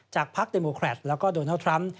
จากภักดีโมแครตและโดนาลด์ทรัมป์